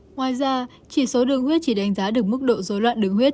ngoài ra chỉ số đường huyết chỉ đánh giá được mức độ dối loạn đường huyết